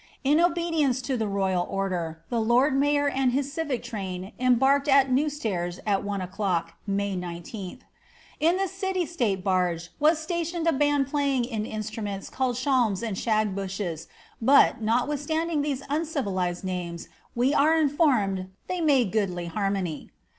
In obedience to the royal order, the lord mayor and his civic train embarked at New Staire at one o'clock, May 19th. In the city state barge was stationed a band playing on in struments called shalms and shag bushes; but, notwithstanding these uncivilised names, we are informed they made goodly harmony."